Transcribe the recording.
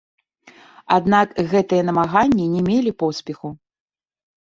Аднак гэтыя намаганні не мелі поспеху.